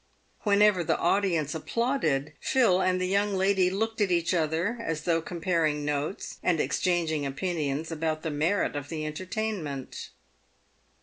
Whenever the audience applauded, Phil and the young lady looked at each other, as though comparing notes, and exchanging opinions about the merit of the entertainment.